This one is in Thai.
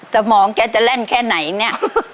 ตะหวานแกจะแร่นแค่ไหนเนี่ย